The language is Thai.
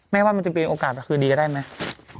ว่ามันจะเป็นโอกาสคืนดีก็ได้ไหม